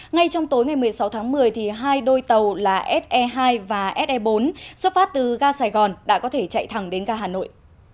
ngay trong tối ngày một mươi sáu tháng một mươi hai đôi tàu là se hai và se bốn xuất phát từ ga sài gòn đã có thể chạy thẳng đến ga hà nội